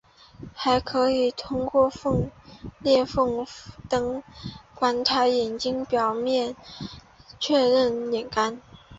还可以通过裂缝灯观察眼睛表面来确认是否眼干。